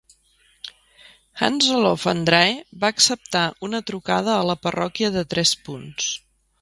Hans Olof Andrae va acceptar una trucada a la parròquia de tres punts.